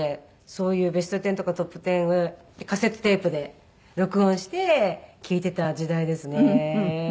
そういう『ベストテン』とか『トップテン』カセットテープで録音して聴いてた時代ですね。